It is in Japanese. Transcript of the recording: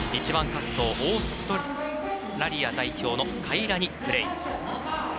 １番滑走、オーストラリア代表カイラニ・クレイン。